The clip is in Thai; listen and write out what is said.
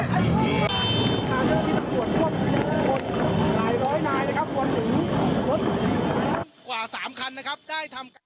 หลายร้อยนายนะครับกว่าสามคันนะครับได้ทำการ